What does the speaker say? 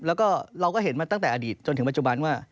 แล้วก็เราก็เห็นมาตั้งแต่อดีตจนถึงปัจจุบันว่า